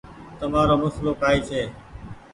تمآرو مسلو ڪآئي ڇي۔